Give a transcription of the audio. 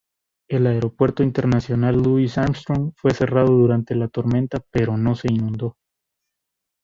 El Aeropuerto Internacional Louis Armstrong fue cerrado durante la tormenta pero no se inundó.